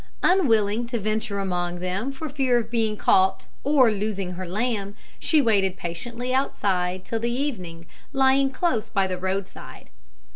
Unwilling to venture among them for fear of being caught, or losing her lamb, she waited patiently outside till the evening, lying close by the roadside.